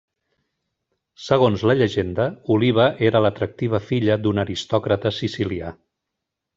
Segons la llegenda Oliva era l'atractiva filla d'un aristòcrata sicilià.